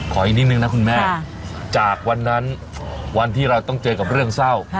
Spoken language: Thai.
อีกนิดนึงนะคุณแม่จากวันนั้นวันที่เราต้องเจอกับเรื่องเศร้า